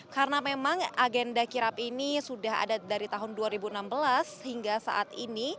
karena memang agenda kirap ini sudah ada dari tahun dua ribu enam belas hingga saat ini